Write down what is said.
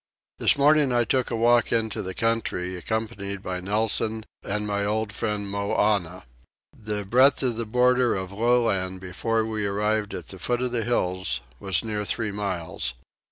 This morning I took a walk into the country accompanied by Nelson and my old friend Moannah. The breadth of the border of low land before we arrived at the foot of the hills was near three miles.